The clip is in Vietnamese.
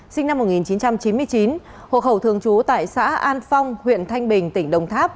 sinh năm một nghìn chín trăm chín mươi chín hộ khẩu thường trú tại xã an phong huyện thanh bình tỉnh đồng tháp